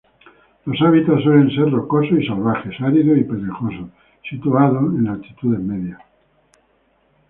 Los hábitats suelen ser rocosos y salvajes, áridos y pedregosos situada en altitudes medias.